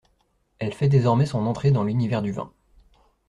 Elle fait désormais son entrée dans l'univers du vin.